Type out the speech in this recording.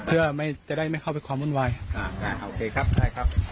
เพื่อไม่จะได้ไม่เข้าไปความวุ่นวายอ่าอ่าโอเคครับได้ครับ